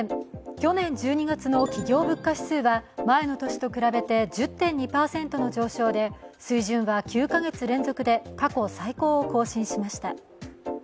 去年１２月の企業物価指数は前の年と比べて１０．２％の上昇で、水準は９か月連続で過去最高を更新しました。